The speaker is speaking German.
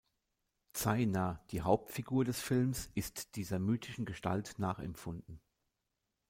Zaina, die Hauptfigur des Films, ist dieser mythischen Gestalt nachempfunden.